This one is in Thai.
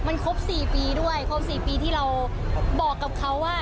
มันครบ๔ปีด้วยครบ๔ปีที่เราบอกกับเขาว่า